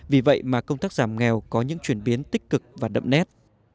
vì vậy mà công tác giảm nghèo có những chuyển biến tích cực và đậm nét